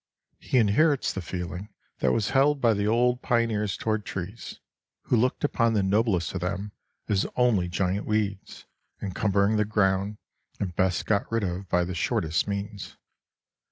He inherits the feeling that was held by the old pioneers toward trees, who looked upon the noblest of them as only giant weeds, encumbering the ground, and best got rid of by the shortest means.